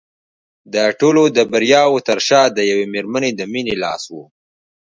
د ټولو د بریاوو تر شا د یوې مېرمنې د مینې لاس و